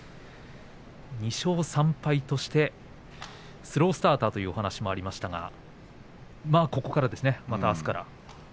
２勝３敗としてスロースターターという話もありましたがまあここからですねまたあすから。